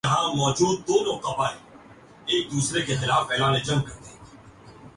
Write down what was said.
دیکھ رہے تھے اور حق کے ساتھ تھے ان سے